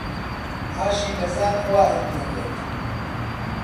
ئاشی نەزان خوا ئەیگێڕێت